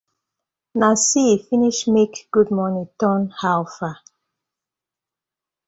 Na see finish make “good morning” turn “how far”: